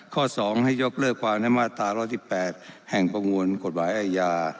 ๒ให้ยกเลิกความในมาตรา๑๑๘แห่งประมวลกฎหมายอาญา